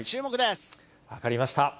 分かりました。